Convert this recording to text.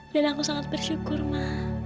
dan aku sangat bersyukur ma